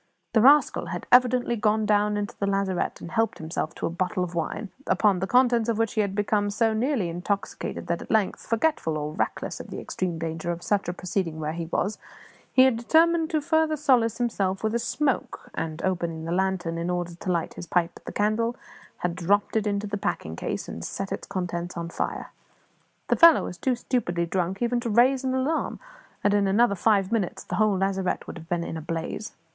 The rascal had evidently gone down into the lazarette and helped himself to a bottle of wine, upon the contents of which he had become so nearly intoxicated that at length, forgetful or reckless of the extreme danger of such a proceeding where he was, he had determined to further solace himself with a smoke, and, opening the lantern in order to light his pipe at the candle, had dropped it into the packing case and set its contents on fire. The fellow was too stupidly drunk even to raise an alarm, and in another five minutes the whole lazarette would have been in a blaze.